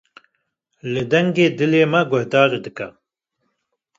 Li dengê dilê me guhdar dike.